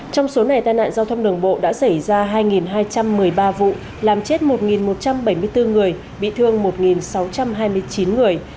trong số này tai nạn giao thông đường bộ đã xảy ra hai hai trăm một mươi ba vụ làm chết một một trăm bảy mươi bốn người bị thương một sáu trăm hai mươi chín người